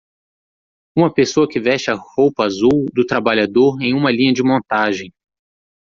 Uma pessoa que veste a roupa azul do trabalhador em uma linha de montagem.